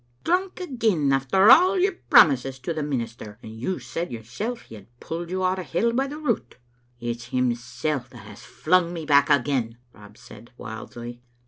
" Drunk again, after all your promises to the minister ! And you said yoursel' that he had pulled you out o' hell by the root." "It's himsel' that has flung me back again," Rob said, wildly.